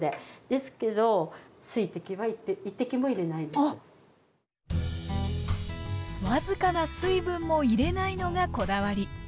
ですけど僅かな水分も入れないのがこだわり。